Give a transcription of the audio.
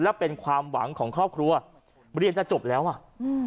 และเป็นความหวังของครอบครัวเรียนจะจบแล้วอ่ะอืม